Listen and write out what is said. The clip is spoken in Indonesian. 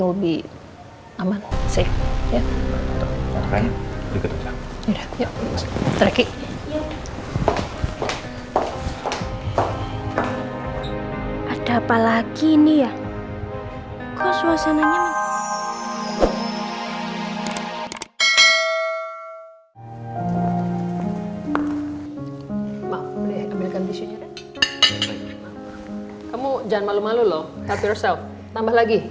lebih aman ada apa lagi ini ya kok suasananya kamu jangan malu malu loh tapi resep tambah lagi